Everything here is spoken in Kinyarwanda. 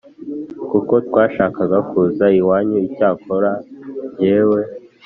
kuko twashakaga kuza iwanyu Icyakora jyewe